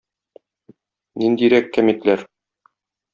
Ниндирәк кәмитләр?